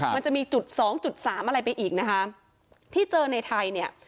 มันจะมีจุดสองจุดสามอะไรไปอีกนะคะที่เจอในไทยเนี่ย